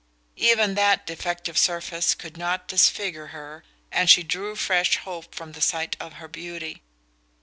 Even that defective surface could not disfigure her, and she drew fresh hope from the sight of her beauty.